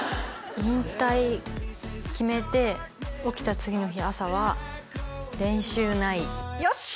引退決めて起きた次の日朝は練習ないよっしゃ！